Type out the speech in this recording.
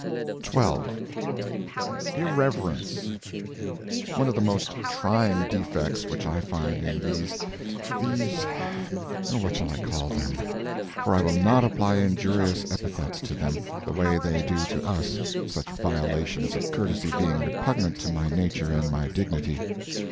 XII IRREVERENCE One of the most trying defects which I find in these—these—what shall I call them? for I will not apply injurious epithets to them, the way they do to us, such violations of courtesy being repugnant to my nature and my dignity.